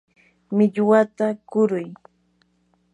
millwata kuruy.